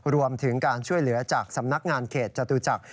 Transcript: รวมถึงการช่วยเหลือจากสำนักงานเขตจตุจักร